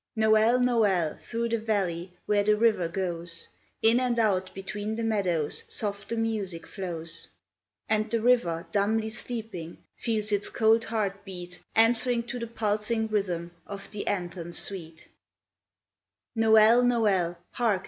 Noel ! Noel! Through the valley Where the river goes In and out between the meadows, Soft the music flows. And the river, dumbly sleeping, Feels its cold heart beat Answering to the pulsing rhythm Of the anthem sweet. MIDNIGHT CHIMES 437 Noel! Noel ! Hark